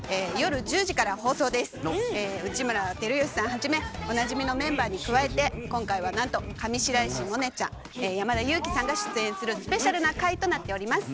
内村光良さんはじめおなじみのメンバーに加えて今回はなんと上白石萌音ちゃん山田裕貴さんが出演するスペシャルな回となっております。